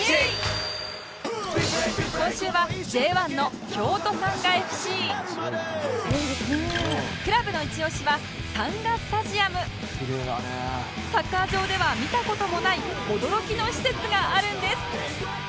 今週はクラブのイチオシはサッカー場では見た事もない驚きの施設があるんです